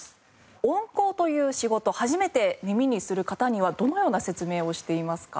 音効という仕事初めて耳にする方にはどのような説明をしていますか？